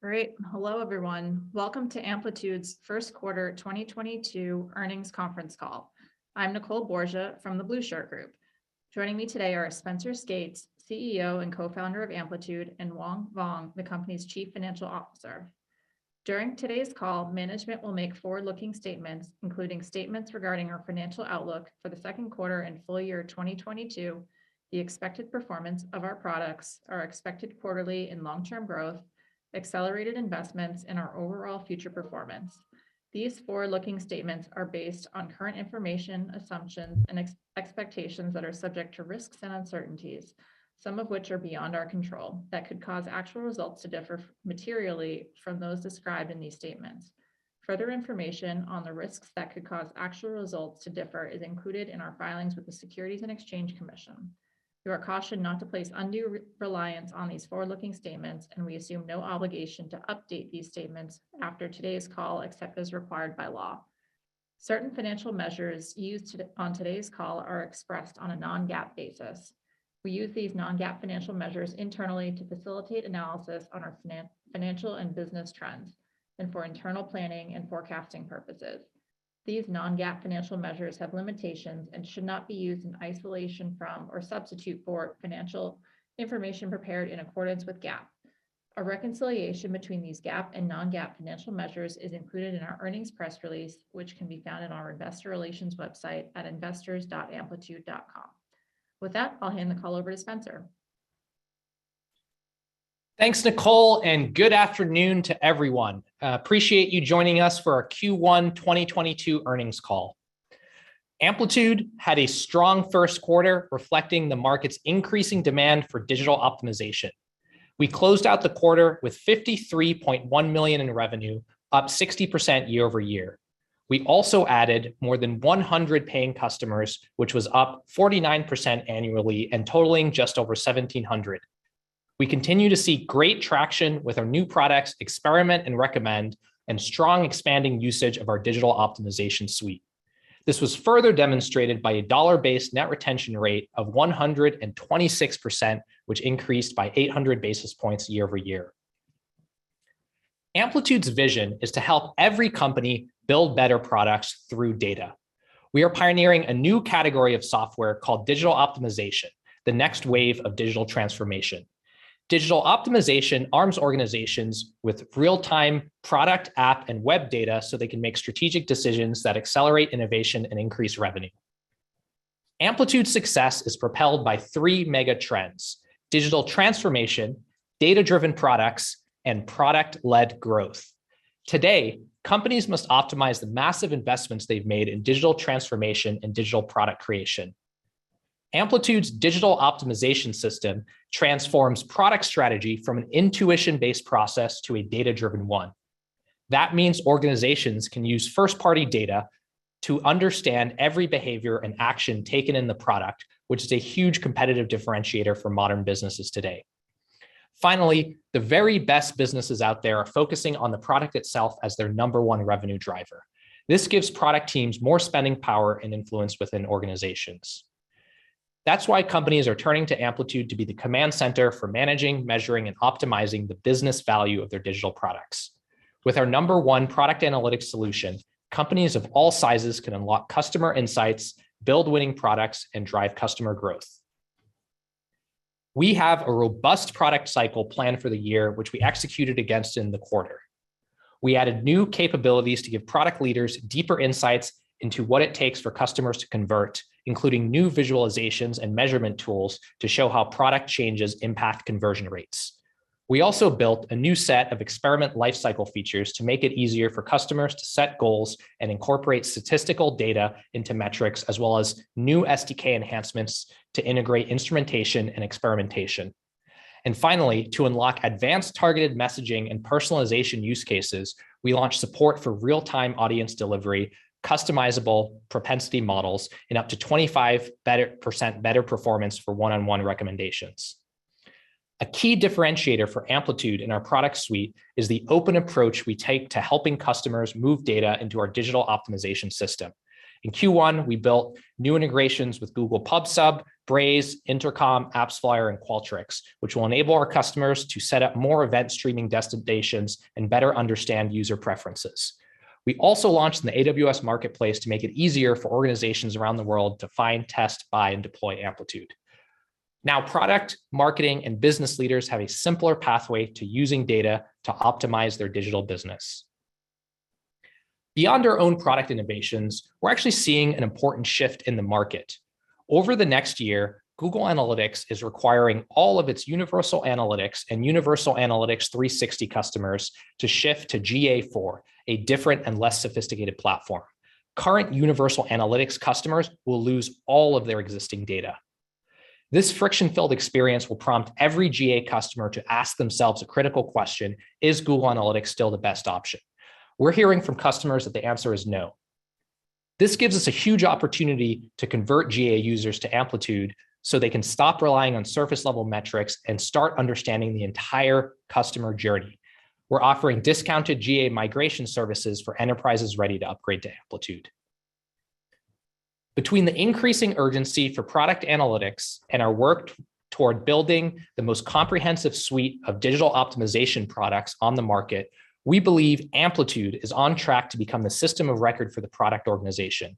Great. Hello, everyone. Welcome to Amplitude's Q1 2022 Earnings Conference Call. I'm Nicole Borsje from the Blueshirt Group. Joining me today are Spenser Skates, CEO and co-founder of Amplitude, and Hoang Vuong, the company's chief financial officer. During today's call, management will make forward-looking statements, including statements regarding our financial outlook for Q2 and full-year 2022, the expected performance of our products, our expected quarterly and long-term growth, accelerated investments, and our overall future performance. These forward-looking statements are based on current information, assumptions, and expectations that are subject to risks and uncertainties, some of which are beyond our control, that could cause actual results to differ materially from those described in these statements. Further information on the risks that could cause actual results to differ is included in our filings with the Securities and Exchange Commission. You are cautioned not to place undue reliance on these forward-looking statements, and we assume no obligation to update these statements after today's call except as required by law. Certain financial measures used on today's call are expressed on a non-GAAP basis. We use these non-GAAP financial measures internally to facilitate analysis on our financial and business trends and for internal planning and forecasting purposes. These non-GAAP financial measures have limitations and should not be used in isolation from or substitute for financial information prepared in accordance with GAAP. A reconciliation between these GAAP and non-GAAP financial measures is included in our earnings press release, which can be found on our investor relations website at investors.amplitude.com. With that, I'll hand the call over to Spenser. Thanks, Nicole, and good afternoon to everyone. Appreciate you joining us for our Q1 2022 earnings call. Amplitude had a strong Q1 reflecting the market's increasing demand for digital optimization. We closed out the quarter with $53.1 million in revenue, up 60% year-over-year. We also added more than 100 paying customers, which was up 49% annually and totaling just over 1,700. We continue to see great traction with our new products, Experiment and Recommend, and strong expanding usage of our digital optimization suite. This was further demonstrated by a dollar-based net retention rate of 126%, which increased by 800 basis points year-over-year. Amplitude's vision is to help every company build better products through data. We are pioneering a new category of software called digital optimization, the next wave of digital transformation. Digital optimization arms organizations with real-time product, app, and web data so they can make strategic decisions that accelerate innovation and increase revenue. Amplitude's success is propelled by three mega trends: digital transformation, data-driven products, and product-led growth. Today, companies must optimize the massive investments they've made in digital transformation and digital product creation. Amplitude's digital optimization system transforms product strategy from an intuition-based process to a data-driven one. That means organizations can use first-party data to understand every behavior and action taken in the product, which is a huge competitive differentiator for modern businesses today. Finally, the very best businesses out there are focusing on the product itself as their number one revenue driver. This gives product teams more spending power and influence within organizations. That's why companies are turning to Amplitude to be the command center for managing, measuring, and optimizing the business value of their digital products. With our number one product analytics solution, companies of all sizes can unlock customer insights, build winning products, and drive customer growth. We have a robust product cycle planned for the year, which we executed against in the quarter. We added new capabilities to give product leaders deeper insights into what it takes for customers to convert, including new visualizations and measurement tools to show how product changes impact conversion rates. We also built a new set of experiment lifecycle features to make it easier for customers to set goals and incorporate statistical data into metrics, as well as new SDK enhancements to integrate instrumentation and experimentation. Finally, to unlock advanced targeted messaging and personalization use cases, we launched support for real-time audience delivery, customizable propensity models, and up to 25% better performance for one-on-one recommendations. A key differentiator for Amplitude in our product suite is the open approach we take to helping customers move data into our digital optimization system. In Q1, we built new integrations with Google Pub/Sub, Braze, Intercom, AppsFlyer, and Qualtrics, which will enable our customers to set up more event streaming destinations and better understand user preferences. We also launched in the AWS Marketplace to make it easier for organizations around the world to find, test, buy, and deploy Amplitude. Now product, marketing, and business leaders have a simpler pathway to using data to optimize their digital business. Beyond our own product innovations, we're actually seeing an important shift in the market. Over the next year, Google Analytics is requiring all of its Universal Analytics and Universal Analytics 360 customers to shift to GA4, a different and less sophisticated platform. Current Universal Analytics customers will lose all of their existing data. This friction-filled experience will prompt every GA customer to ask themselves a critical question: Is Google Analytics still the best option? We're hearing from customers that the answer is no. This gives us a huge opportunity to convert GA users to Amplitude, so they can stop relying on surface-level metrics and start understanding the entire customer journey. We're offering discounted GA migration services for enterprises ready to upgrade to Amplitude. Between the increasing urgency for product analytics and our work toward building the most comprehensive suite of digital optimization products on the market we believe Amplitude is on track to become the system of record for the product organization.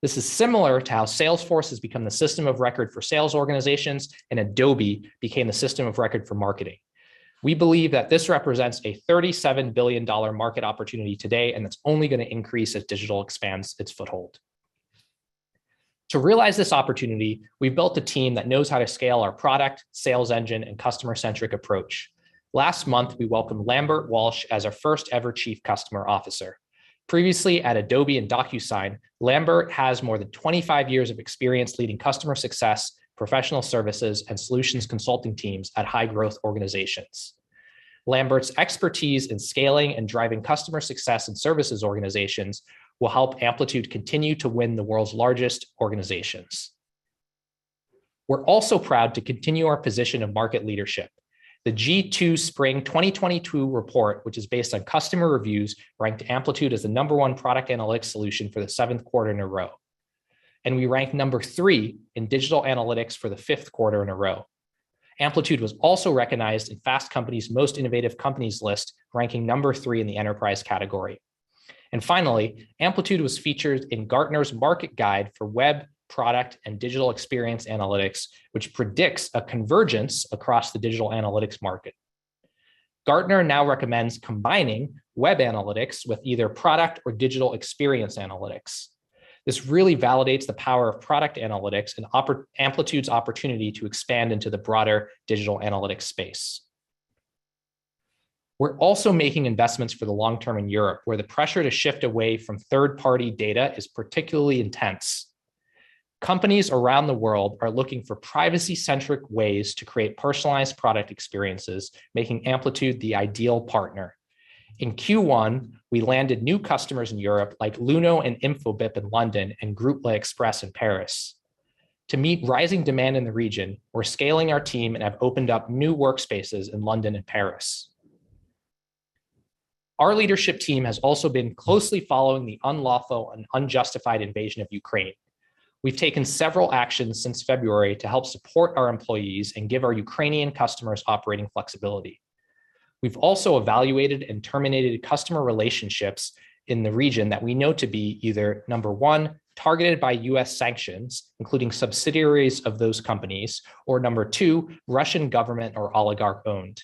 This is similar to how Salesforce has become the system of record for sales organizations and Adobe became the system of record for marketing. We believe that this represents a $37 billion market opportunity today, and it's only gonna increase as digital expands its foothold. To realize this opportunity, we've built a team that knows how to scale our product, sales engine, and customer-centric approach. Last month, we welcomed Lambert Walsh as our first ever Chief Customer Officer. Previously at Adobe and DocuSign, Lambert has more than 25 years of experience leading customer success, professional services, and solutions consulting teams at high growth organizations. Lambert's expertise in scaling and driving customer success in services organizations will help Amplitude continue to win the world's largest organizations. We're also proud to continue our position of market leadership. The G2 Spring 2022 report, which is based on customer reviews, ranked Amplitude as the number one product analytics solution for the 7th quarter in a row, and we ranked number three in digital analytics for the 5th quarter in a row. Amplitude was also recognized in Fast Company's Most Innovative Companies list, ranking number three in the enterprise category. Finally, Amplitude was featured in Gartner's market guide for web, product, and digital experience analytics, which predicts a convergence across the digital analytics market. Gartner now recommends combining web analytics with either product or digital experience analytics. This really validates the power of product analytics and Amplitude's opportunity to expand into the broader digital analytics space. We're also making investments for the long-term in Europe, where the pressure to shift away from third-party data is particularly intense. Companies around the world are looking for privacy-centric ways to create personalized product experiences, making Amplitude the ideal partner. In Q1, we landed new customers in Europe, like Luno and Infobip in London and Groupe L'Express in Paris. To meet rising demand in the region, we're scaling our team and have opened up new workspaces in London and Paris. Our leadership team has also been closely following the unlawful and unjustified invasion of Ukraine. We've taken several actions since February to help support our employees and give our Ukrainian customers operating flexibility. We've also evaluated and terminated customer relationships in the region that we know to be either, number one, targeted by U.S. sanctions, including subsidiaries of those companies, or number two, Russian government or oligarch-owned.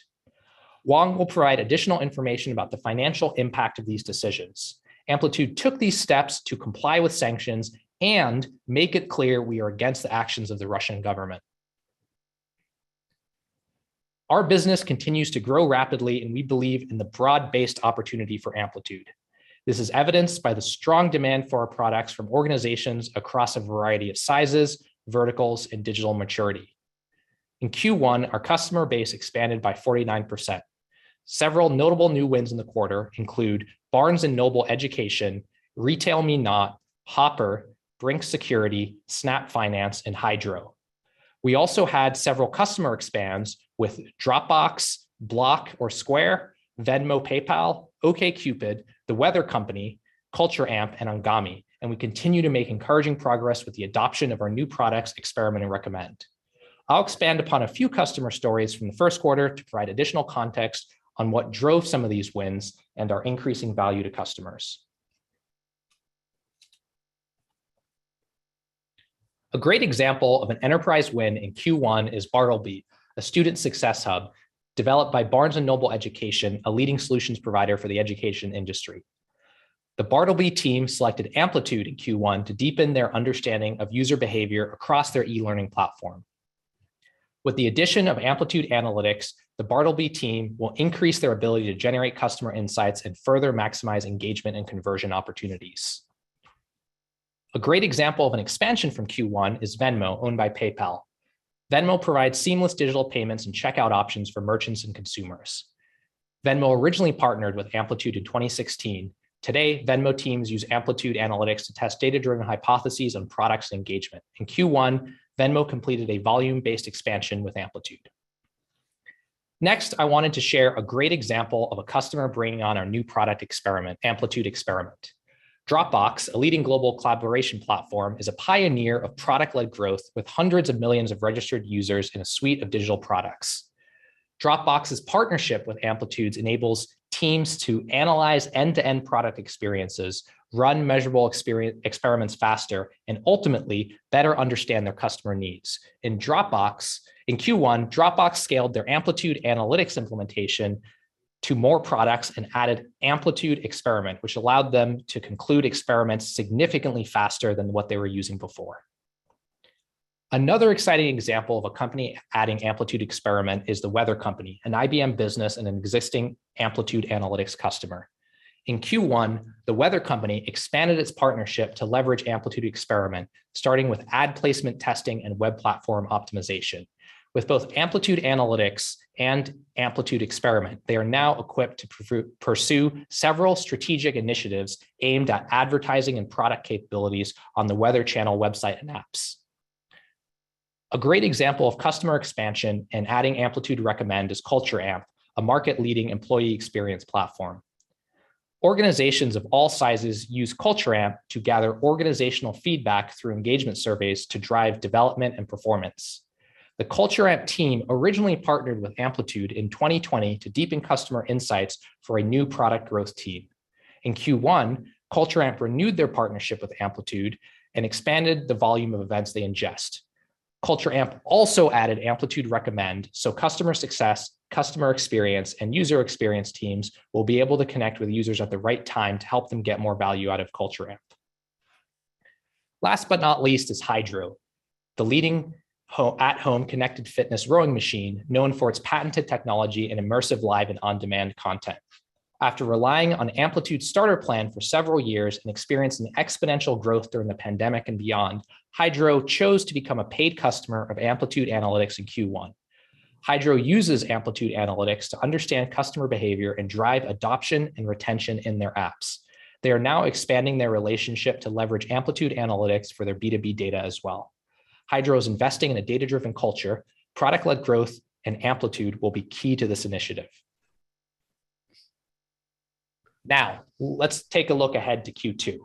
Hoang will provide additional information about the financial impact of these decisions. Amplitude took these steps to comply with sanctions and make it clear we are against the actions of the Russian government. Our business continues to grow rapidly, and we believe in the broad-based opportunity for Amplitude. This is evidenced by the strong demand for our products from organizations across a variety of sizes, verticals, and digital maturity. In Q1, our customer base expanded by 49%. Several notable new wins in the quarter include Barnes & Noble Education, RetailMeNot, Hopper, Brink's, Snap Finance, and Hydrow. We also had several customer expansions with Dropbox, Block or Square, Venmo, PayPal, OkCupid, The Weather Company, Culture Amp, and Anghami, and we continue to make encouraging progress with the adoption of our new products, Experiment and Recommend. I'll expand upon a few customer stories from Q1 to provide additional context on what drove some of these wins and our increasing value to customers. A great example of an enterprise win in Q1 is Bartleby, a student success hub developed by Barnes & Noble Education, a leading solutions provider for the education industry. The Bartleby team selected Amplitude in Q1 to deepen their understanding of user behavior across their e-learning platform. With the addition of Amplitude Analytics, the Bartleby team will increase their ability to generate customer insights and further maximize engagement and conversion opportunities. A great example of an expansion from Q1 is Venmo, owned by PayPal. Venmo provides seamless digital payments and checkout options for merchants and consumers. Venmo originally partnered with Amplitude in 2016. Today, Venmo teams use Amplitude Analytics to test data-driven hypotheses on products and engagement. In Q1, Venmo completed a volume-based expansion with Amplitude. Next, I wanted to share a great example of a customer bringing on our new product experiment, Amplitude Experiment. Dropbox, a leading global collaboration platform, is a pioneer of product-led growth with hundreds of millions of registered users in a suite of digital products. Dropbox's partnership with Amplitude enables teams to analyze end-to-end product experiences, run measurable experiments faster, and ultimately better understand their customer needs. In Dropbox, in Q1, Dropbox scaled their Amplitude Analytics implementation to more products and added Amplitude Experiment, which allowed them to conclude experiments significantly faster than what they were using before. Another exciting example of a company adding Amplitude Experiment is The Weather Company, an IBM business and an existing Amplitude Analytics customer. In Q1, The Weather Company expanded its partnership to leverage Amplitude Experiment, starting with ad placement testing and web platform optimization. With both Amplitude Analytics and Amplitude Experiment, they are now equipped to pursue several strategic initiatives aimed at advertising and product capabilities on The Weather Channel website and apps. A great example of customer expansion and adding Amplitude Recommend is Culture Amp, a market-leading employee experience platform. Organizations of all sizes use Culture Amp to gather organizational feedback through engagement surveys to drive development and performance. The Culture Amp team originally partnered with Amplitude in 2020 to deepen customer insights for a new product growth team. In Q1, Culture Amp renewed their partnership with Amplitude and expanded the volume of events they ingest. Culture Amp also added Amplitude Recommend, so customer success, customer experience, and user experience teams will be able to connect with users at the right time to help them get more value out of Culture Amp. Last but not least is Hydrow, the leading at-home connected fitness rowing machine known for its patented technology and immersive live and on-demand content. After relying on Amplitude starter plan for several years and experiencing exponential growth during the pandemic and beyond, Hydrow chose to become a paid customer of Amplitude Analytics in Q1. Hydrow uses Amplitude Analytics to understand customer behavior and drive adoption and retention in their apps. They are now expanding their relationship to leverage Amplitude Analytics for their B2B data as well. Hydrow is investing in a data-driven culture, product-led growth, and Amplitude will be key to this initiative. Now, let's take a look ahead to Q2.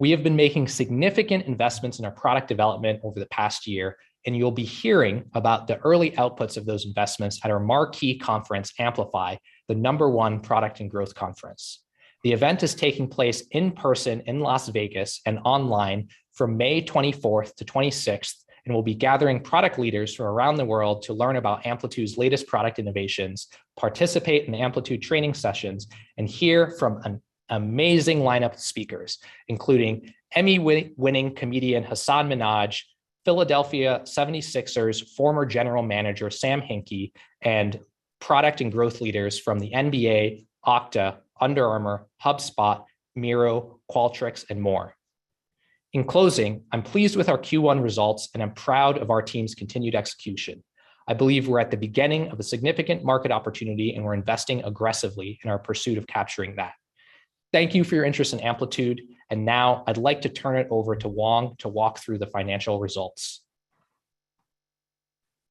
We have been making significant investments in our product development over the past year, and you'll be hearing about the early outputs of those investments at our marquee conference, Amplify, the #1 product and growth conference. The event is taking place in person in Las Vegas and online from May twenty-fourth to twenty-sixth, and we'll be gathering product leaders from around the world to learn about Amplitude's latest product innovations, participate in Amplitude training sessions, and hear from an amazing lineup of speakers, including Emmy-winning comedian Hasan Minhaj, Philadelphia 76ers former general manager Sam Hinkie, and product and growth leaders from the NBA, Okta, Under Armour, HubSpot, Miro, Qualtrics, and more. In closing, I'm pleased with our Q1 results, and I'm proud of our team's continued execution. I believe we're at the beginning of a significant market opportunity, and we're investing aggressively in our pursuit of capturing that. Thank you for your interest in Amplitude, and now I'd like to turn it over to Hoang to walk through the financial results.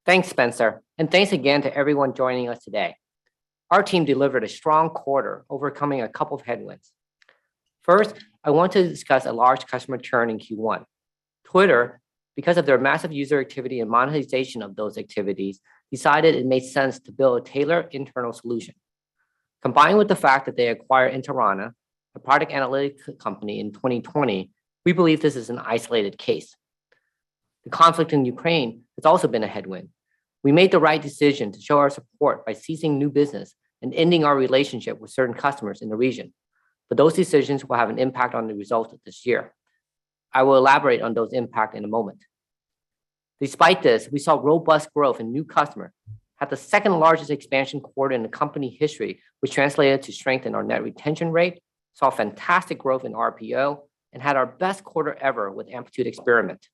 Thanks, Spenser. Thanks again to everyone joining us today. Our team delivered a strong quarter, overcoming a couple of headwinds. First, I want to discuss a large customer churn in Q1. Twitter, because of their massive user activity and monetization of those activities, decided it made sense to build a tailored internal solution. Combined with the fact that they acquired Proteona, a product analytics company, in 2020, we believe this is an isolated case. The conflict in Ukraine has also been a headwind. We made the right decision to show our support by ceasing new business and ending our relationship with certain customers in the region. Those decisions will have an impact on the results of this year. I will elaborate on those impact in a moment. Despite this, we saw robust growth in new customers at the second-largest expansion quarter in the company history, which translated to strength in our net retention rate, saw fantastic growth in RPO, and had our best quarter ever with Amplitude Experiment.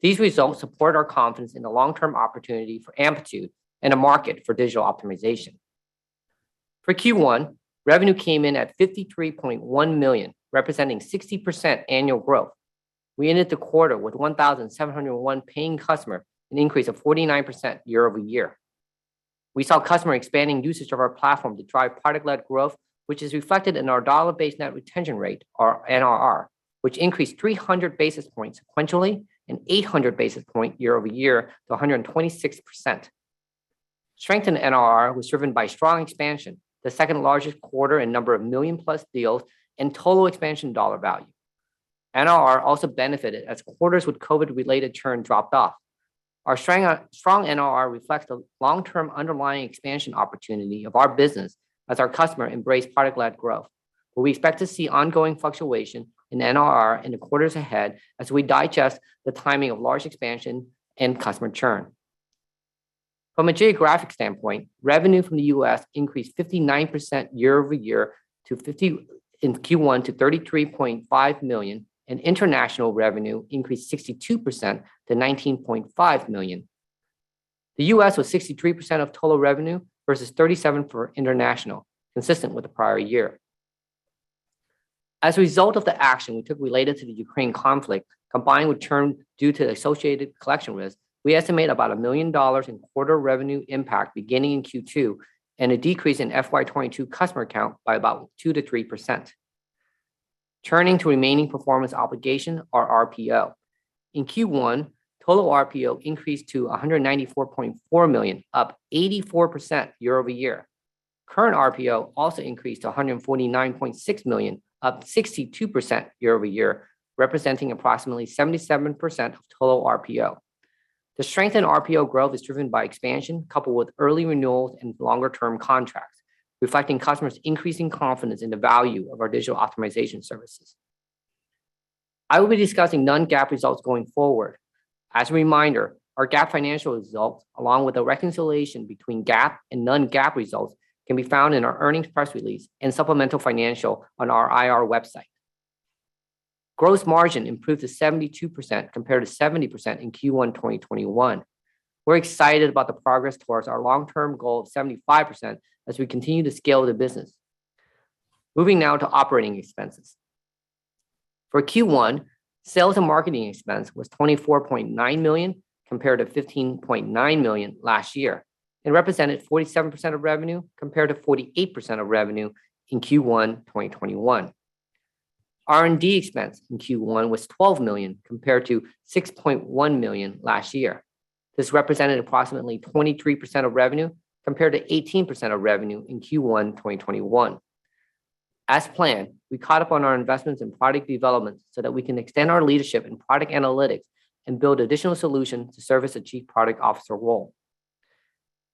These results support our confidence in the long-term opportunity for Amplitude in a market for digital optimization. For Q1, revenue came in at $53.1 million, representing 60% annual growth. We ended the quarter with 1,701 paying customers, an increase of 49% year-over-year. We saw customers expanding usage of our platform to drive product-led growth, which is reflected in our dollar-based net retention rate, our NRR, which increased 300 basis points sequentially and 800 basis points year-over-year to 126%. Strong NRR was driven by strong expansion, the second-largest quarter in number of million-plus deals and total expansion dollar value. NRR also benefited as quarters with COVID-related churn dropped off. Our strong NRR reflects the long-term underlying expansion opportunity of our business as our customers embrace product-led growth. We expect to see ongoing fluctuation in NRR in the quarters ahead as we digest the timing of large expansion and customer churn. From a geographic standpoint, revenue from the US increased 59% year-over-year to $33.5 million in Q1, and international revenue increased 62% to $19.5 million. The US was 63% of total revenue versus 37% for international, consistent with the prior year. As a result of the action we took related to the Ukraine conflict, combined with churn due to associated collection risk, we estimate about $1 million in quarterly revenue impact beginning in Q2 and a decrease in FY 2022 customer count by about 2%-3%. Turning to remaining performance obligation, or RPO. In Q1, total RPO increased to $194.4 million, up 84% year-over-year. Current RPO also increased to $149.6 million, up 62% year-over-year, representing approximately 77% of total RPO. The strength in RPO growth is driven by expansion coupled with early renewals and longer-term contracts, reflecting customers' increasing confidence in the value of our digital optimization services. I will be discussing non-GAAP results going forward. As a reminder, our GAAP financial results, along with a reconciliation between GAAP and non-GAAP results, can be found in our earnings press release and supplemental financial on our IR website. Gross margin improved to 72% compared to 70% in Q1 2021. We're excited about the progress towards our long-term goal of 75% as we continue to scale the business. Moving now to operating expenses. For Q1, sales and marketing expense was $24.9 million, compared to $15.9 million last year, and represented 47% of revenue, compared to 48% of revenue in Q1 2021. R&D expense in Q1 was $12 million, compared to $6.1 million last year. This represented approximately 23% of revenue, compared to 18% of revenue in Q1 2021. As planned, we caught up on our investments in product development so that we can extend our leadership in product analytics and build additional solutions to service a chief product officer role.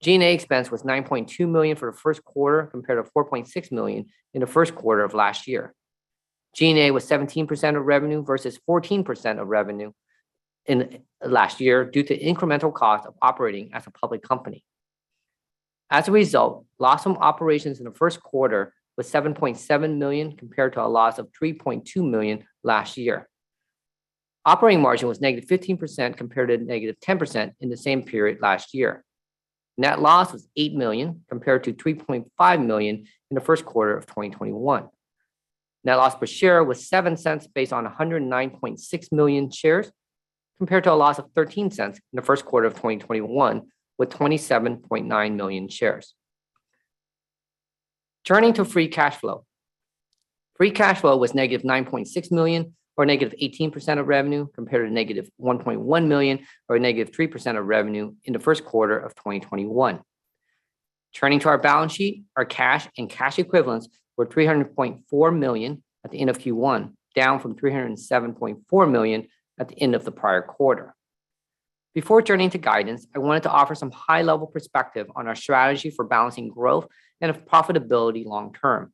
G&A expense was $9.2 million for Q1, compared to $4.6 million in Q1 of last year. G&A was 17% of revenue versus 14% of revenue in last year due to incremental cost of operating as a public company. As a result, loss from operations in Q1 was $7.7 million, compared to a loss of $3.2 million last year. Operating margin was -15% compared to -10% in the same period last year. Net loss was $8 million, compared to $3.5 million in Q1 of 2021. Net loss per share was $0.07 based on 109.6 million shares, compared to a loss of $0.13 in Q1 of 2021, with 27.9 million shares. Turning to free cash flow. Free cash flow was -$9.6 million or -18% of revenue, compared to -$1.1 million or -3% of revenue in Q1 of 2021. Turning to our balance sheet, our cash and cash equivalents were $300.4 million at the end of Q1, down from $307.4 million at the end of the prior quarter. Before turning to guidance, I wanted to offer some high-level perspective on our strategy for balancing growth and profitability long-term.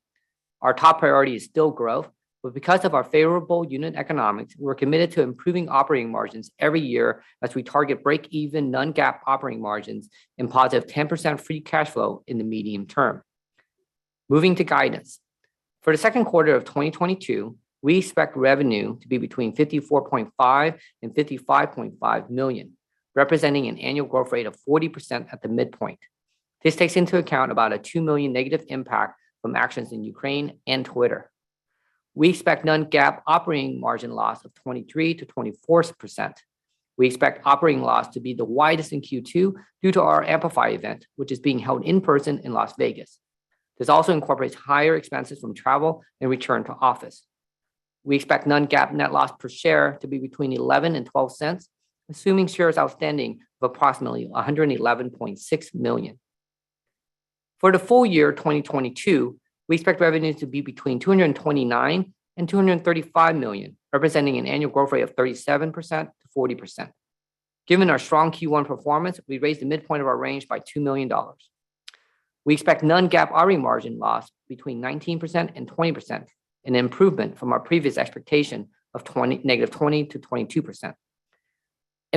Our top priority is still growth, but because of our favorable unit economics, we're committed to improving operating margins every year as we target break-even non-GAAP operating margins and positive 10% free cash flow in the medium term. Moving to guidance. For Q2 of 2022, we expect revenue to be between $54.5-$55.5 million, representing an annual growth rate of 40% at the midpoint. This takes into account about a $2 million negative impact from actions in Ukraine and Twitter. We expect non-GAAP operating margin loss of 23%-24%. We expect operating loss to be the widest in Q2 due to our Amplify event, which is being held in person in Las Vegas. This also incorporates higher expenses from travel and return to office. We expect non-GAAP net loss per share to be between $0.11 and $0.12, assuming shares outstanding of approximately 111.6 million. For the full-year 2022, we expect revenues to be between $229 million and $235 million, representing an annual growth rate of 37%-40%. Given our strong Q1 performance, we raised the midpoint of our range by $2 million. We expect non-GAAP operating margin loss between 19% and 20%, an improvement from our previous expectation of negative 20%-22%.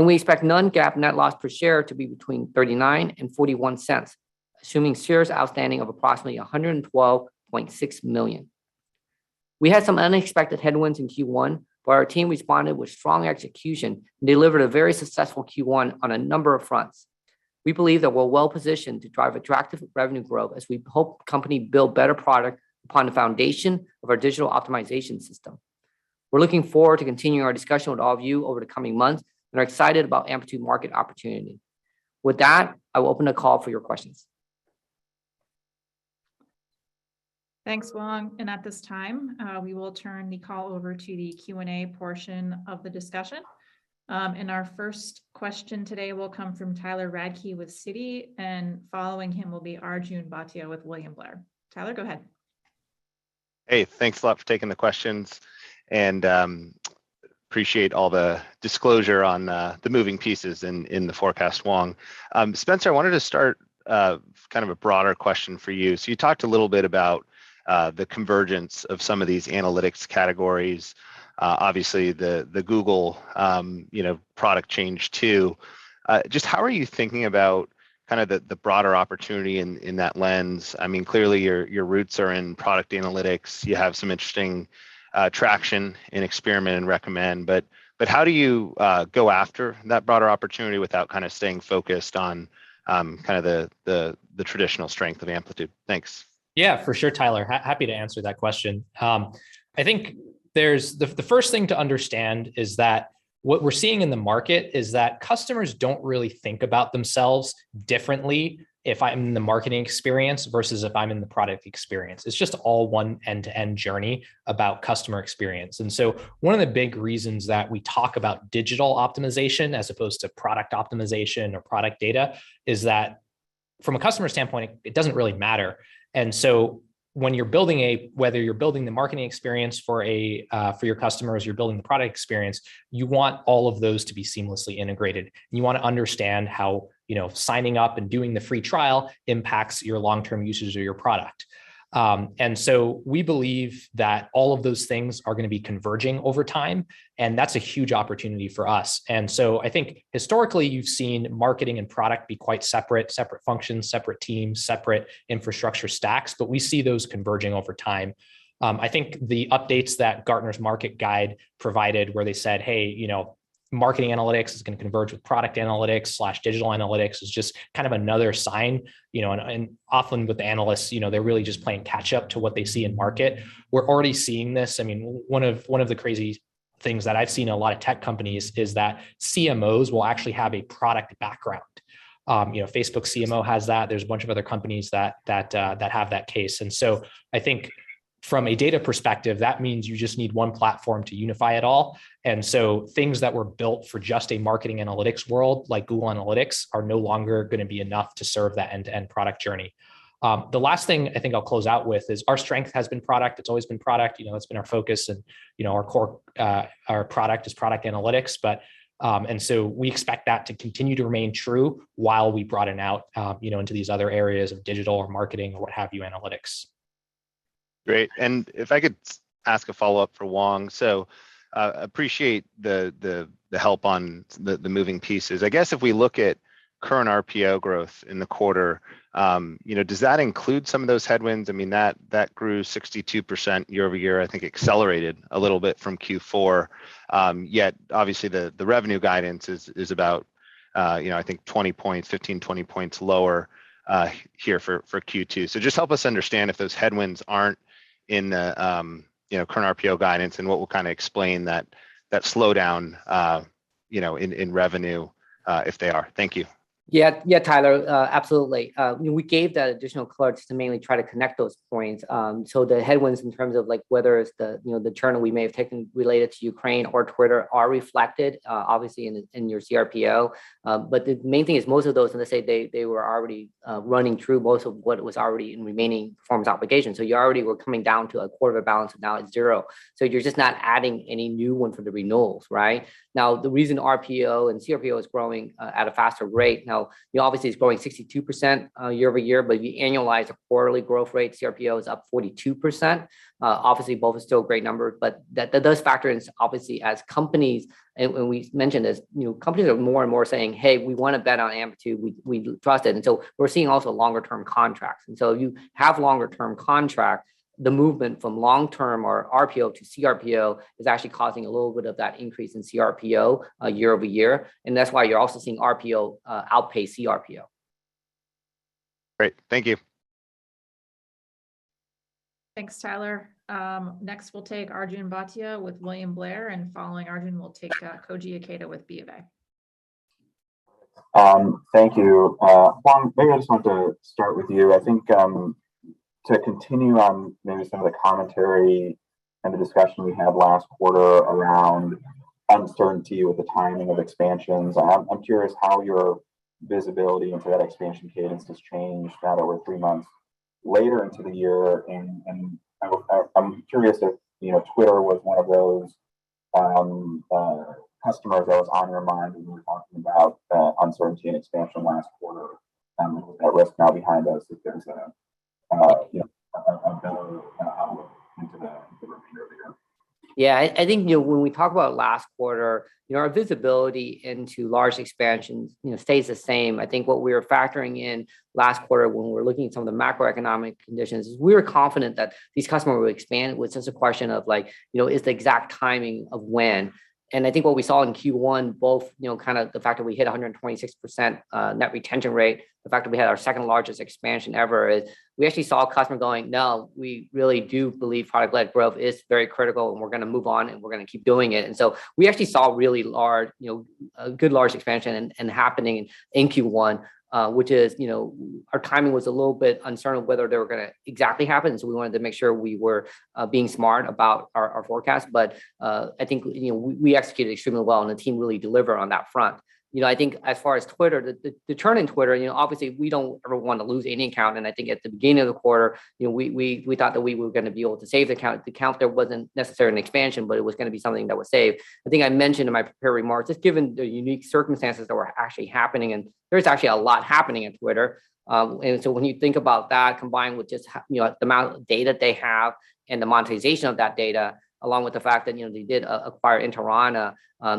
We expect non-GAAP net loss per share to be between $0.39 and $0.41, assuming shares outstanding of approximately 112.6 million. We had some unexpected headwinds in Q1, but our team responded with strong execution and delivered a very successful Q1 on a number of fronts. We believe that we're well-positioned to drive attractive revenue growth as we help companies build better products upon the foundation of our digital optimization system. We're looking forward to continuing our discussion with all of you over the coming months and are excited about Amplitude's market opportunity. With that, I will open the call for your questions. Thanks, Hoang. At this time, we will turn the call over to the Q&A portion of the discussion. Our first question today will come from Tyler Radke with Citi, and following him will be Arjun Bhatia with William Blair. Tyler, go ahead. Hey, thanks a lot for taking the questions and appreciate all the disclosure on the moving pieces in the forecast, Vuong. Spenser, I wanted to start kind of a broader question for you. You talked a little bit about the convergence of some of these analytics categories, obviously the Google you know product change too. Just how are you thinking about kinda the broader opportunity in that lens? I mean, clearly your roots are in product analytics. You have some interesting traction in experiment and recommend, but how do you go after that broader opportunity without kinda staying focused on kinda the traditional strength of Amplitude? Thanks. Yeah, for sure, Tyler. Happy to answer that question. I think the first thing to understand is that what we're seeing in the market is that customers don't really think about themselves differently if I'm in the marketing experience versus if I'm in the product experience. It's just all one end-to-end journey about customer experience. One of the big reasons that we talk about digital optimization as opposed to product optimization or product data is that from a customer standpoint, it doesn't really matter. When you're building, whether you're building the marketing experience for your customers, you're building the product experience, you want all of those to be seamlessly integrated, and you wanna understand how, you know, signing up and doing the free trial impacts your long-term usage of your product. We believe that all of those things are gonna be converging over time, and that's a huge opportunity for us. I think historically you've seen marketing and product be quite separate functions, separate teams, separate infrastructure stacks, but we see those converging over time. I think the updates that Gartner's market guide provided, where they said, "Hey, you know Marketing analytics is gonna converge with product analytics/digital analytics is just kind of another sign, you know, and often with analysts, you know, they're really just playing catch-up to what they see in market. We're already seeing this. I mean, one of the crazy things that I've seen in a lot of tech companies is that CMOs will actually have a product background. You know, Facebook's CMO has that. There's a bunch of other companies that have that case. I think from a data perspective, that means you just need one platform to unify it all. Things that were built for just a marketing analytics world, like Google Analytics, are no longer gonna be enough to serve that end-to-end product journey. The last thing I think I'll close out with is our strength has been product, it's always been product. You know, it's been our focus and, you know, our core, our product is product analytics. We expect that to continue to remain true while we broaden out, you know, into these other areas of digital or marketing or what have you analytics. Great, if I could ask a follow-up for Hoang Vuong. Appreciate the help on the moving pieces. I guess if we look at current RPO growth in the quarter, you know, does that include some of those headwinds? I mean, that grew 62% year-over-year, I think accelerated a little bit from Q4. Yet obviously the revenue guidance is about, you know, I think 15-20 points lower here for Q2. Just help us understand if those headwinds aren't in the current RPO guidance and what will kinda explain that slowdown, you know, in revenue if they are. Thank you. Yeah. Yeah, Tyler, absolutely. You know, we gave the additional color to mainly try to connect those points. The headwinds in terms of like whether it's the, you know, the turn we may have taken related to Ukraine or Twitter are reflected, obviously in your CRPO. But the main thing is most of those, as I say, they were already running through most of what was already in remaining performance obligations. You already were coming down to a quarter of a balance, now it's zero. You're just not adding any new one for the renewals, right? The reason RPO and CRPO is growing at a faster rate, obviously it's growing 62% year-over-year, but if you annualize the quarterly growth rate, CRPO is up 42%. Obviously both are still great numbers, but those factors obviously, as companies, and we mentioned this, you know, companies are more and more saying, "Hey, we wanna bet on Amplitude, we trust it." We're seeing also longer term contracts. You have longer term contracts, the movement from long-term or RPO to CRPO is actually causing a little bit of that increase in CRPO, year-over-year, and that's why you're also seeing RPO outpace CRPO. Great. Thank you. Thanks, Tyler. Next we'll take Arjun Bhatia with William Blair, and following Arjun we'll take Koji Ikeda with BofA. Thank you. Hoang Vuong, maybe I just want to start with you. I think, to continue on maybe some of the commentary and the discussion we had last quarter around uncertainty with the timing of expansions, I'm curious how your visibility into that expansion cadence has changed now that we're three months later into the year. I'm curious if, you know, Twitter was one of those customers that was on your mind when you were talking about uncertainty and expansion last quarter, with that risk now behind us, if there's a, you know, a better kinda outlook into the remainder of the year. Yeah, I think, you know, when we talk about last quarter, you know, our visibility into large expansions, you know, stays the same. I think what we were factoring in last quarter when we're looking at some of the macroeconomic conditions is we were confident that these customers would expand. It was just a question of like, you know, is the exact timing of when. I think what we saw in Q1, both, you know, kinda the fact that we hit 100% net retention rate, the fact that we had our second-largest expansion ever is we actually saw customers going, "No, we really do believe product-led growth is very critical, and we're gonna move on, and we're gonna keep doing it." We actually saw really large, you know, a good large expansion and happening in Q1, which is, you know, our timing was a little bit uncertain of whether they were gonna exactly happen, so we wanted to make sure we were being smart about our forecast. I think, you know, we executed extremely well, and the team really delivered on that front. You know, I think as far as Twitter, the turn in Twitter, you know, obviously we don't ever wanna lose any account, and I think at the beginning of the quarter, you know, we thought that we were gonna be able to save the account. The account there wasn't necessarily an expansion, but it was gonna be something that was saved. I think I mentioned in my prepared remarks, just given the unique circumstances that were actually happening, and there was actually a lot happening at Twitter. When you think about that combined with just you know, the amount of data they have and the monetization of that data, along with the fact that, you know, they did acquire Proteona.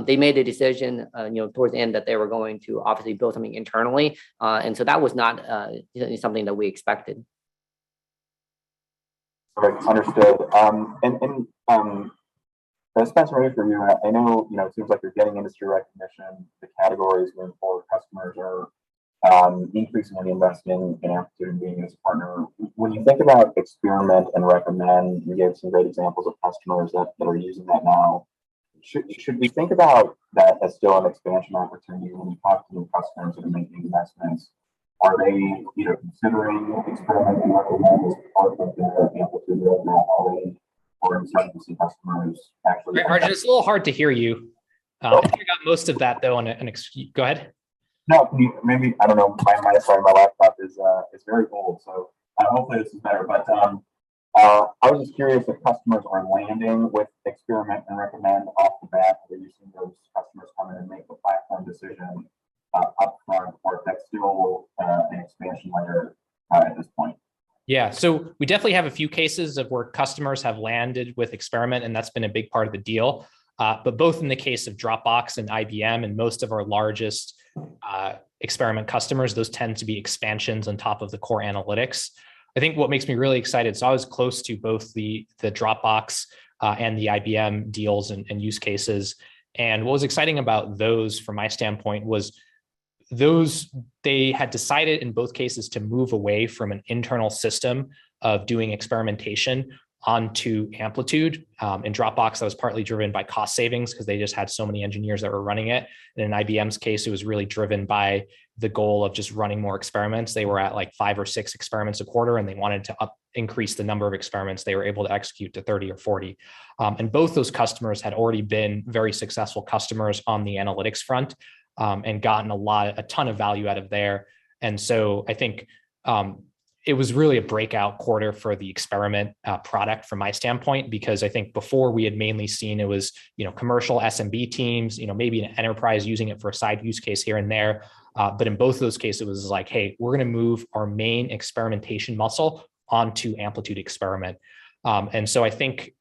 They made a decision, you know, towards the end that they were going to obviously build something internally. That was not something that we expected. Right. Understood. I guess that's ready for me. I know, you know, it seems like you're getting industry recognition, the category is moving forward, customers are increasingly investing in Amplitude as a partner. When you think about Experiment and Recommend, you gave some great examples of customers that are using that now. Should we think about that as still an expansion opportunity when you talk to new customers that are making investments? Are they, you know, considering Experiment and Recommend as part of their Amplitude roadmap already, or are you starting to see customers actually- Arjun, it's a little hard to hear you. Oh. I think I got most of that, though. Go ahead. No, maybe, I don't know. Sorry, my laptop is very old, so hopefully this is better. I was just curious if customers are landing with Experiment and Recommend off the bat. Are you seeing those customers come in and make a platform decision up front? Or is that still an expansion lever at this point? Yeah. We definitely have a few cases of where customers have landed with Experiment, and that's been a big part of the deal. Both in the case of Dropbox and IBM and most of our largest Experiment customers, those tend to be expansions on top of the core analytics. I think what makes me really excited. I was close to both the Dropbox and the IBM deals and use cases, and what was exciting about those from my standpoint was those they had decided in both cases to move away from an internal system of doing experimentation onto Amplitude. In Dropbox that was partly driven by cost savings because they just had so many engineers that were running it. In IBM's case it was really driven by the goal of just running more experiments. They were at, like, 5 or 6 experiments a quarter, and they wanted to increase the number of experiments they were able to execute to 30 or 40. Both those customers had already been very successful customers on the analytics front, and gotten a ton of value out of there. I think it was really a breakout quarter for the Experiment product from my standpoint because I think before we had mainly seen it was, you know, commercial SMB teams, you know, maybe an enterprise using it for a side use case here and there. In both those cases it was like, "Hey, we're gonna move our main experimentation muscle onto Amplitude Experiment." I think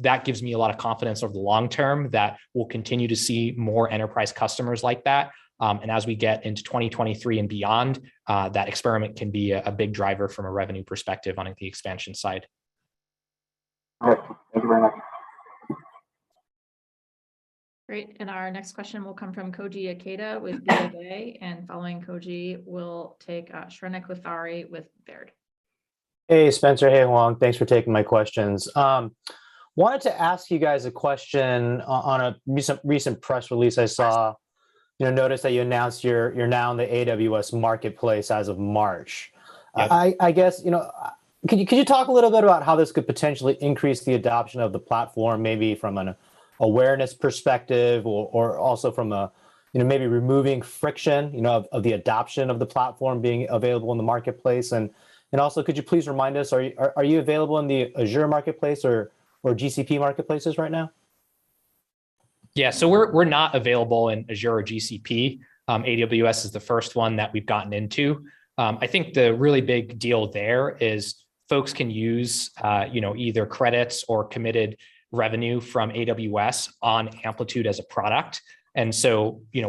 that gives me a lot of confidence over the long-term that we'll continue to see more enterprise customers like that. As we get into 2023 and beyond, that experiment can be a big driver from a revenue perspective on the expansion side. All right. Thank you very much. Great. Our next question will come from Koji Ikeda with UBS. Following Koji, we'll take Shrenik Kothari with Baird. Hey, Spenser. Hey, Hoang Vuong. Thanks for taking my questions. Wanted to ask you guys a question on a recent press release I saw. Yes. You know, noticed that you announced you're now in the AWS Marketplace as of March. Yes. I guess, you know, could you talk a little bit about how this could potentially increase the adoption of the platform maybe from an awareness perspective or also from a, you know, maybe removing friction, you know, of the adoption of the platform being available in the marketplace? Also could you please remind us, are you available in the Azure Marketplace or GCP Marketplaces right now? Yeah. We're not available in Azure or GCP. AWS is the first one that we've gotten into. I think the really big deal there is folks can use, you know, either credits or committed revenue from AWS on Amplitude as a product.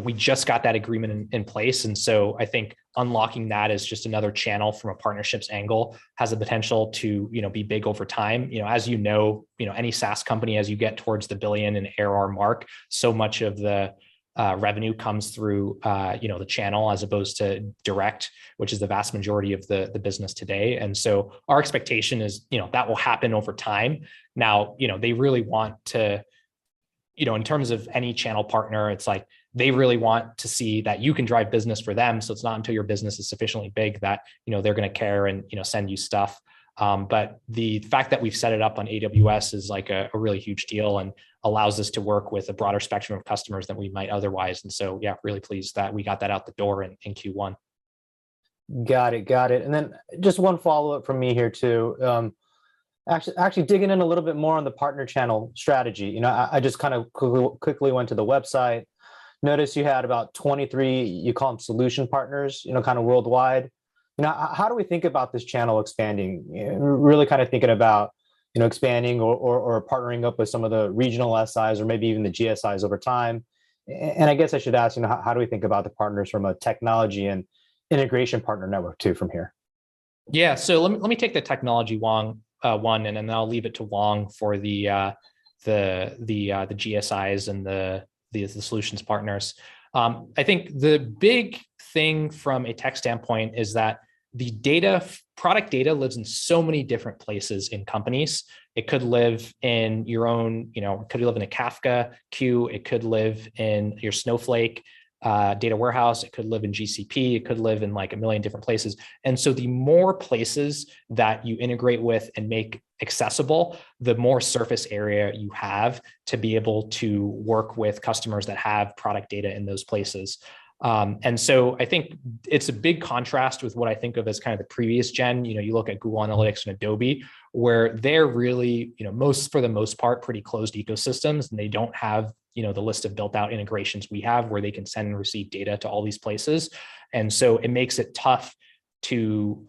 We just got that agreement in place and I think unlocking that as just another channel from a partnerships angle has the potential to, you know, be big over time. You know, as you know, you know, any SaaS company as you get towards the $1 billion ARR mark, so much of the revenue comes through, you know, the channel as opposed to direct, which is the vast majority of the business today. Our expectation is, you know, that will happen over time. Now, you know, they really want to, you know, in terms of any channel partner, it's like they really want to see that you can drive business for them, so it's not until your business is sufficiently big that, you know, they're gonna care and, you know, send you stuff. But the fact that we've set it up on AWS is, like, a really huge deal and allows us to work with a broader spectrum of customers than we might otherwise. Yeah, really pleased that we got that out the door in Q1. Got it. Just one follow-up from me here too. Actually digging in a little bit more on the partner channel strategy. You know, I just kind of quickly went to the website. Noticed you had about 23, you call them solution partners, you know, kind of worldwide. You know, how do we think about this channel expanding? Really kind of thinking about, you know, expanding or partnering up with some of the regional SIs or maybe even the GSIs over time. And I guess I should ask, you know, how do we think about the partners from a technology and integration partner network too from here? Yeah. Let me take the technology Hoang one, and then I'll leave it to Hoang for the GSIs and the solutions partners. I think the big thing from a tech standpoint is that the product data lives in so many different places in companies. It could live in your own, you know, it could live in a Kafka queue. It could live in your Snowflake data warehouse. It could live in GCP. It could live in, like, a million different places. The more places that you integrate with and make accessible, the more surface area you have to be able to work with customers that have product data in those places. I think it's a big contrast with what I think of as kind of the previous gen. You know, you look at Google Analytics and Adobe, where they're really, you know, for the most part, pretty closed ecosystems, and they don't have, you know, the list of built-out integrations we have where they can send and receive data to all these places. It makes it tough to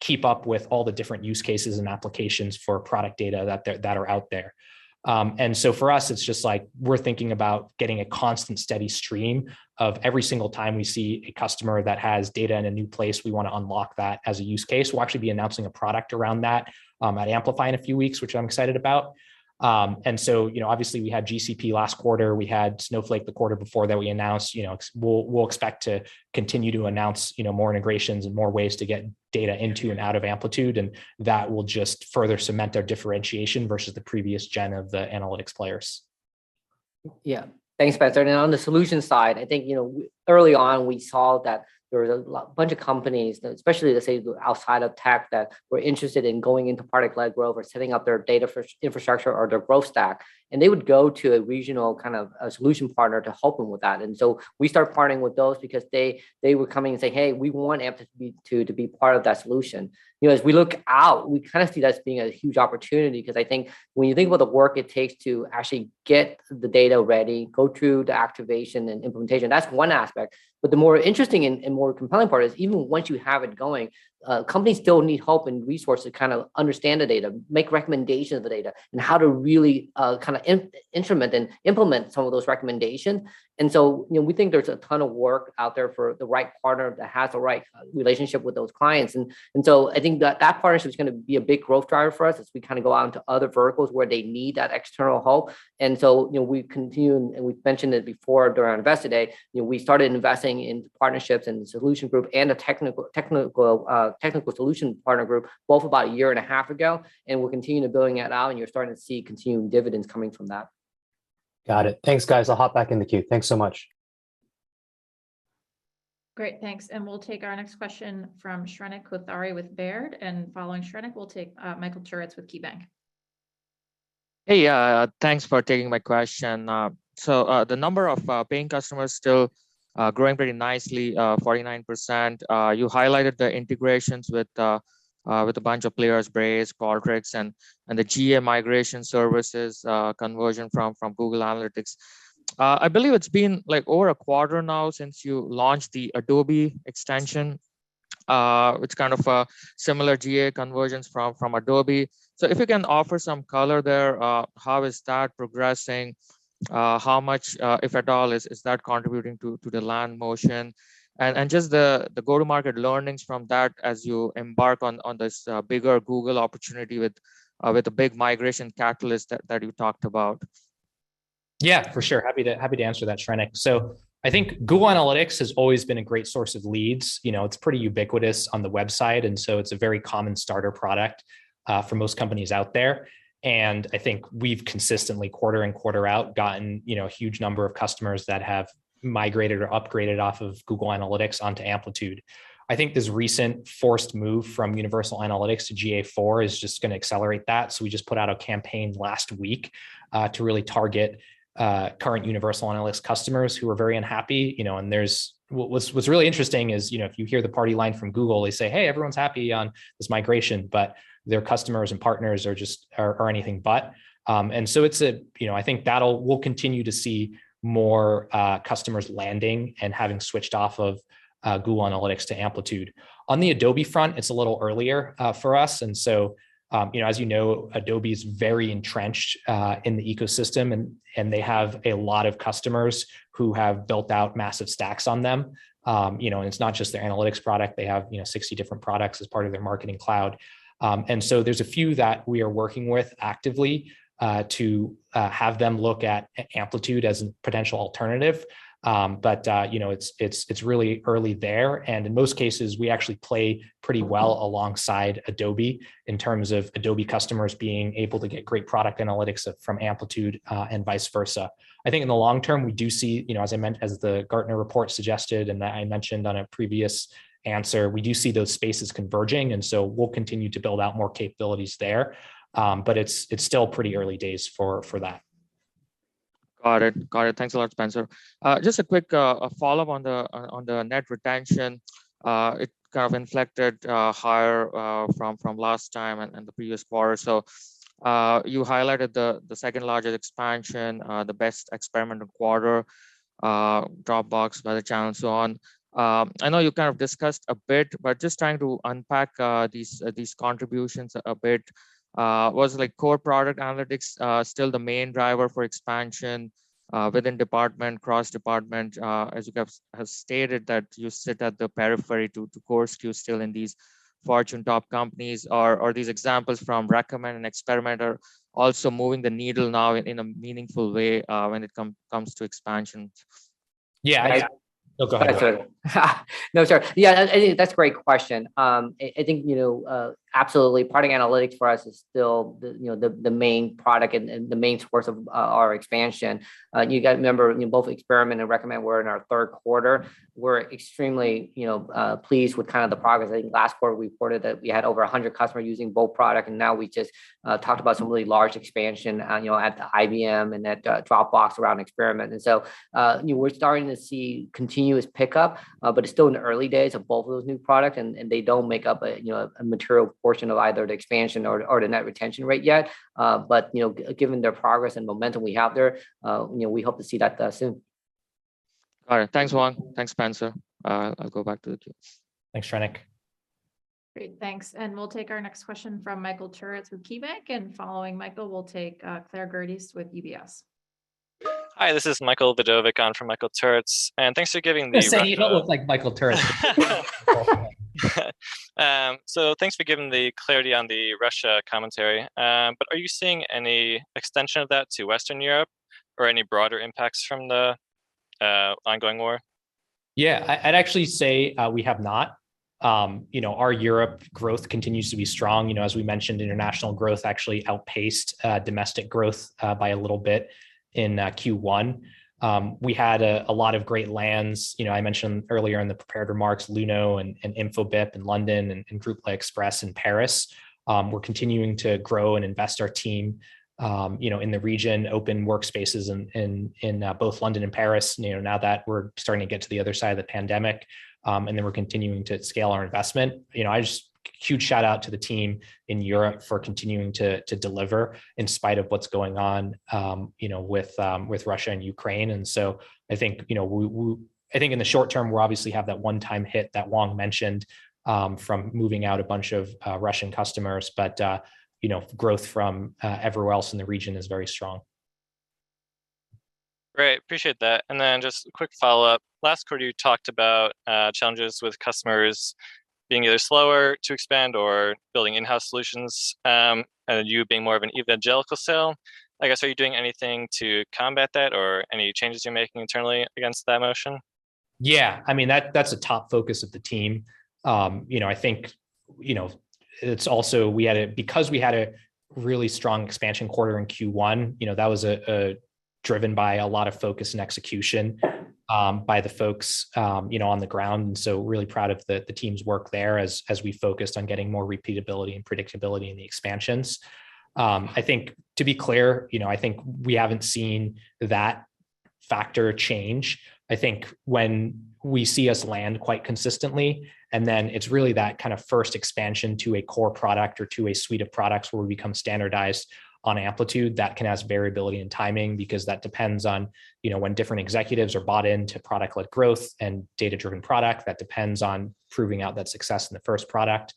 keep up with all the different use cases and applications for product data that are out there. For us, it's just like we're thinking about getting a constant steady stream of every single time we see a customer that has data in a new place, we wanna unlock that as a use case. We'll actually be announcing a product around that at Amplify in a few weeks, which I'm excited about. You know, obviously we had GCP last quarter. We had Snowflake the quarter before that we announced. You know, we'll expect to continue to announce, you know, more integrations and more ways to get data into and out of Amplitude, and that will just further cement our differentiation versus the previous gen of the analytics players. Yeah. Thanks, Spenser. On the solutions side, I think, you know, early on we saw that there was a bunch of companies, especially let's say outside of tech, that were interested in going into product-led growth or setting up their data infrastructure or their growth stack, and they would go to a regional kind of a solution partner to help them with that. We started partnering with those because they were coming and saying, "Hey, we want Amplitude to be part of that solution." You know, as we look out, we kind of see this being a huge opportunity 'cause I think when you think about the work it takes to actually get the data ready, go through the activation and implementation, that's one aspect. The more interesting and more compelling part is even once you have it going, companies still need help and resources to kind of understand the data, make recommendations of the data, and how to really kind of instrument and implement some of those recommendations. You know, we think there's a ton of work out there for the right partner that has the right relationship with those clients. I think that partnership's gonna be a big growth driver for us as we kind of go out into other verticals where they need that external help. You know, we've continued, and we've mentioned it before during our Investor Day, you know, we started investing into partnerships and the solution group and the technical solution partner group both about a year and a half ago, and we're continuing to building that out, and you're starting to see continued dividends coming from that. Got it. Thanks, guys. I'll hop back in the queue. Thanks so much. Great. Thanks. We'll take our next question from Shrenik Kothari with Baird. Following Shrenik, we'll take Michael Turits with KeyBanc. Hey, thanks for taking my question. The number of paying customers still growing pretty nicely, 49%. You highlighted the integrations with a bunch of players, Braze, Intercom, and the GA migration services, conversion from Google Analytics. I believe it's been, like, over a quarter now since you launched the Adobe extension, which kind of similar GA conversions from Adobe. If you can offer some color there, how is that progressing? How much, if at all, is that contributing to the land motion? Just the go-to-market learnings from that as you embark on this bigger Google opportunity with the big migration catalyst that you talked about. Yeah, for sure. Happy to answer that, Shrenik. I think Google Analytics has always been a great source of leads. You know, it's pretty ubiquitous on the website, and it's a very common starter product for most companies out there. I think we've consistently quarter in, quarter out gotten, you know, a huge number of customers that have migrated or upgraded off of Google Analytics onto Amplitude. I think this recent forced move from Universal Analytics to GA4 is just gonna accelerate that, we just put out a campaign last week to really target current Universal Analytics customers who are very unhappy. You know, what's really interesting is, you know, if you hear the party line from Google, they say, "Hey, everyone's happy on this migration," but their customers and partners are just anything but. I think we'll continue to see more customers landing and having switched off of Google Analytics to Amplitude. On the Adobe front, it's a little earlier for us. You know, as you know, Adobe's very entrenched in the ecosystem and they have a lot of customers who have built out massive stacks on them. It's not just their analytics product. They have, you know, 60 different products as part of their Marketing Cloud. There's a few that we are working with actively to have them look at Amplitude as a potential alternative. You know, it's really early there, and in most cases, we actually play pretty well alongside Adobe in terms of Adobe customers being able to get great product analytics from Amplitude, and vice versa. I think in the long-term, we do see, you know, as I mentioned, as the Gartner report suggested, and I mentioned on a previous answer, we do see those spaces converging, and so we'll continue to build out more capabilities there. It's still pretty early days for that. Got it. Thanks a lot, Spenser. Just a quick follow-up on the net retention. It kind of inflected higher from last time and the previous quarter. You highlighted the second-largest expansion, the best Experiment adoption quarter, adoption by the channel and so on. I know you kind of discussed a bit, but just trying to unpack these contributions a bit. Was like core product analytics still the main driver for expansion within department, cross-department? As you guys have stated that you sit at the periphery to core SKU still in these Fortune top companies. Are these examples from Recommend and Experiment also moving the needle now in a meaningful way when it comes to expansion? Yeah. Yeah. Oh, go ahead. Spenser. No, sir. Yeah, I think that's a great question. I think, you know, absolutely product analytics for us is still the main product and the main source of our expansion. You got to remember, you know, both Experiment and Recommend we're in our Q3. We're extremely pleased with the progress. I think last quarter we reported that we had over 100 customers using both products, and now we just talked about some really large expansion at IBM and at Dropbox around Experiment. We're starting to see continuous pickup, but it's still in the early days of both of those new products, and they don't make up a material portion of either the expansion or the net retention rate yet. Given their progress and momentum we have there, you know, we hope to see that soon. All right. Thanks, Hoang. Thanks, Spenser. I'll go back to the queue. Thanks, Shrenik. Great. Thanks. We'll take our next question from Michael Turits with KeyBanc. Following Michael, we'll take Claire Gerdes with UBS. Hi, this is Michael Vidovic on for Michael Turits. Thanks for giving the I was gonna say, you don't look like Michael Turits. Thanks for giving the clarity on the Russia commentary. Are you seeing any extension of that to Western Europe or any broader impacts from the ongoing war? Yeah. I'd actually say we have not. You know, our Europe growth continues to be strong. You know, as we mentioned, international growth actually outpaced domestic growth by a little bit in Q1. We had a lot of great lands. You know, I mentioned earlier in the prepared remarks, Luno and Infobip in London and Groupe L'Express in Paris. We're continuing to grow and invest our team, you know, in the region, open workspaces in both London and Paris. You know, now that we're starting to get to the other side of the pandemic, and then we're continuing to scale our investment. You know, huge shout out to the team in Europe for continuing to deliver in spite of what's going on, you know, with Russia and Ukraine. I think, you know, I think in the short-term, we'll obviously have that one-time hit that Hoang Vuong mentioned, from moving out a bunch of Russian customers. You know, growth from everywhere else in the region is very strong. Great. Appreciate that. Just a quick follow-up. Last quarter, you talked about challenges with customers being either slower to expand or building in-house solutions, and you being more of an evangelical sale. I guess, are you doing anything to combat that or any changes you're making internally against that motion? Yeah, I mean, that's a top focus of the team. You know, I think it's also because we had a really strong expansion quarter in Q1, you know, that was driven by a lot of focus and execution by the folks, you know, on the ground. Really proud of the team's work there as we focused on getting more repeatability and predictability in the expansions. I think to be clear, you know, I think we haven't seen that factor change. I think when we see us land quite consistently, and then it's really that kind of first expansion to a core product or to a suite of products where we become standardized on Amplitude that can add variability and timing because that depends on, you know, when different executives are bought into product-led growth and data-driven product. That depends on proving out that success in the first product.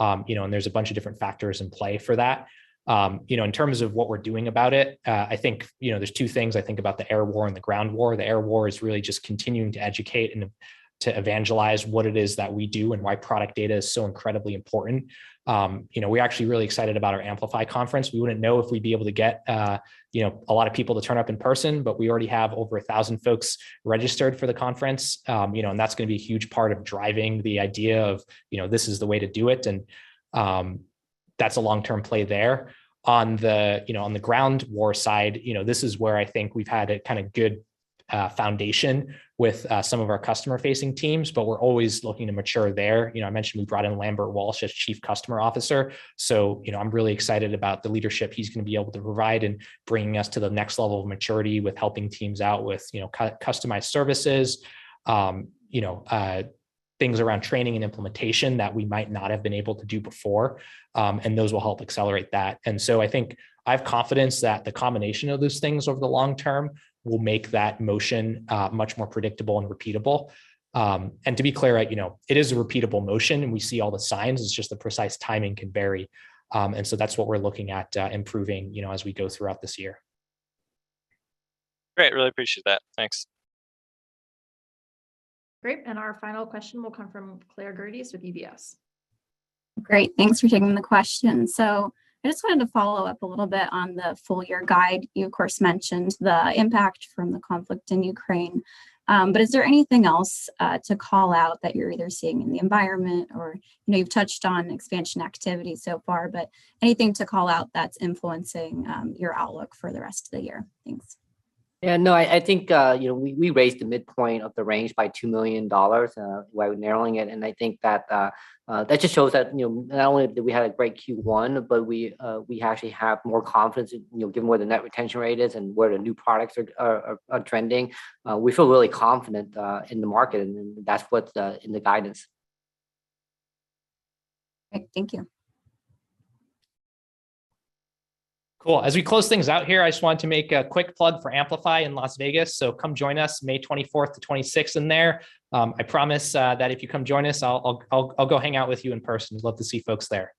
You know, there's a bunch of different factors in play for that. You know, in terms of what we're doing about it, I think, you know, there's two things I think about the air war and the ground war. The air war is really just continuing to educate and to evangelize what it is that we do and why product data is so incredibly important. You know, we're actually really excited about our Amplify conference. We wouldn't know if we'd be able to get you know, a lot of people to turn up in person, but we already have over 1,000 folks registered for the conference. You know, that's gonna be a huge part of driving the idea of, you know, this is the way to do it, and that's a long-term play there. On the ground war side, you know, this is where I think we've had a kinda good foundation with some of our customer-facing teams. We're always looking to mature there. You know, I mentioned we brought in Lambert Walsh as Chief Customer Officer, so, you know, I'm really excited about the leadership he's gonna be able to provide in bringing us to the next level of maturity with helping teams out with, you know, customized services, you know, things around training and implementation that we might not have been able to do before. Those will help accelerate that. I think I've confidence that the combination of those things over the long-term will make that motion much more predictable and repeatable. To be clear, you know, it is a repeatable motion, and we see all the signs. It's just the precise timing can vary. That's what we're looking at improving, you know, as we go throughout this year. Great. Really appreciate that. Thanks. Great. Our final question will come from Claire Gerdes with UBS. Great. Thanks for taking the question. I just wanted to follow up a little bit on the full-year guide. You, of course, mentioned the impact from the conflict in Ukraine, but is there anything else to call out that you're either seeing in the environment or, you know, you've touched on expansion activity so far, but anything to call out that's influencing your outlook for the rest of the year? Thanks. Yeah. No, I think, you know, we raised the midpoint of the range by $2 million while narrowing it. I think that just shows that, you know, not only did we have a great Q1, but we actually have more confidence, you know, given where the net retention rate is, and where the new products are trending. We feel really confident in the market, and that's what's in the guidance. Great. Thank you. Cool. As we close things out here, I just wanted to make a quick plug for Amplify in Las Vegas. Come join us May twenty-fourth to twenty-sixth in there. I promise that if you come join us, I'll go hang out with you in person. Love to see folks there.